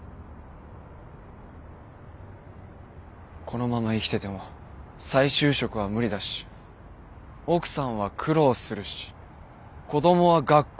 このまま生きてても再就職は無理だし奥さんは苦労するし子供は学校でいじめられる。